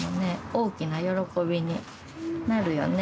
大きな喜びになるよね